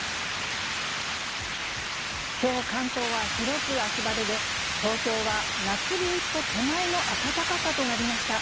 きょう、関東は広く秋晴れで、東京は夏日一歩手前の暖かさとなりました。